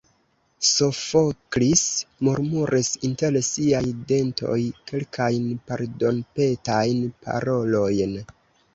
Sofoklis murmuris inter siaj dentoj kelkajn pardonpetajn parolojn.